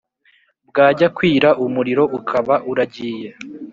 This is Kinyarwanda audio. , bwajya kwira umuriro ukaba uragiye